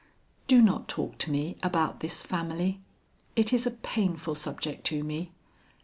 "Do not talk to me about this family. It is a painful subject to me.